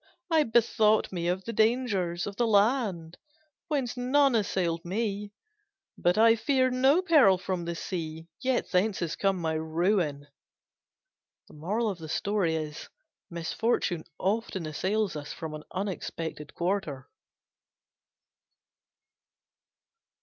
I bethought me of the dangers of the land, whence none assailed me: but I feared no peril from the sea, yet thence has come my ruin." Misfortune often assails us from an unexpected quarter.